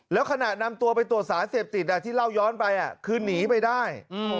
แล้วขณะนำตัวไปตรวจสารเสพติดที่เล่าย้อนไปคือหนีไปได้